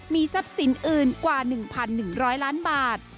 มีทรัพย์สินอื่นกว่า๑๑๐๐ล้านบาท